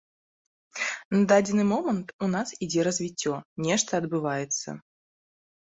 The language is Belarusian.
На дадзены момант у нас ідзе развіццё, нешта адбываецца.